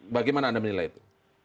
bagaimana anda menilai itu